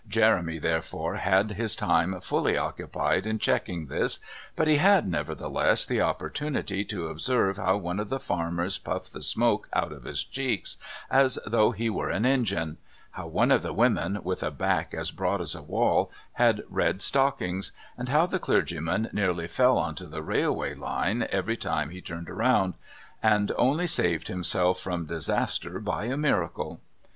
Jeremy, therefore, had his time fully occupied in checking this; but he had, nevertheless, the opportunity to observe how one of the farmers puffed the smoke out of his cheeks as though he were an engine; how one of the women, with a back as broad as a wall, had red stockings; and how the clergyman nearly fell on to the railway line every time he turned round, and only saved himself from disaster by a miracle.